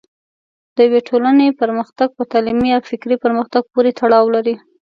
د یوې ټولنې پرمختګ په تعلیمي او فکري پرمختګ پورې تړاو لري.